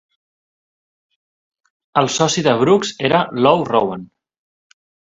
El soci de Brooks era Lou Rowan.